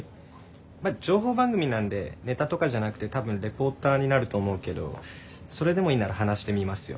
まぁ情報番組なんでネタとかじゃなくて多分レポーターになると思うけどそれでもいいなら話してみますよ。